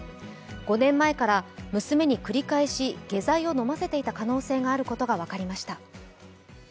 ５年前から娘に繰り返し下剤を飲ませていた可能性があることが分かりました。